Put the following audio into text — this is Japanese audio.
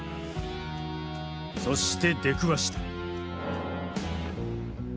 そして出くわした。